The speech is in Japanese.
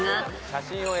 写真を。